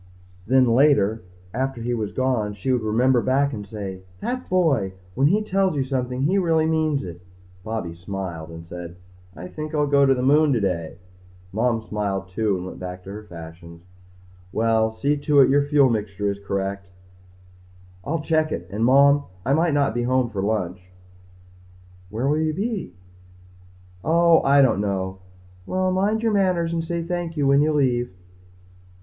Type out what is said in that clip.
Then later, after he was gone, she would remember back and say, That boy! When he tells you something he really means it. Bobby smiled and said, "I think I'll go to the moon today." Mom smiled too and went back to her fashions. "Well, see to it your fuel mixture is correct." "I'll check it. And Mom I might not be home for lunch." "Where will you be?" "Oh, I don't know." "Well, mind your manners and say thank you when you leave."